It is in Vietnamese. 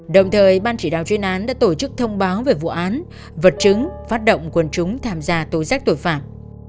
đồng thời ban chỉ đạo chuyên án đã tổ chức thông báo về vụ án vật chứng phát động quân chúng tham gia tố giác tội phạm